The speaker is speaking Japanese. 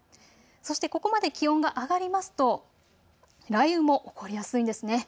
そして、ここまで気温が上がりますと雷雨も起こりやすいんですね。